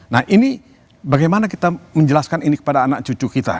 nah ini bagaimana kita menjelaskan ini kepada anak cucu kita